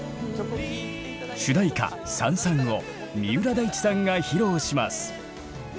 主題歌「燦燦」を三浦大知さんが披露します。